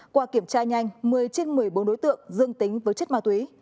qua kiểm tra nhanh một mươi trên một mươi bốn đối tượng dương tính với chất ma túy